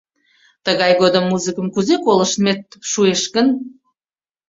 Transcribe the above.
— Тыгай годым музыкым кузе колыштмет шуэш гын?